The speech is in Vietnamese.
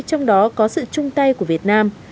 trong đó có sự chung tay của việt nam